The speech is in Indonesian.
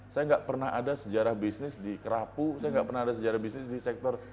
saya nggak pernah ada sejarah bisnis di kerapu saya nggak pernah ada sejarah bisnis di sektor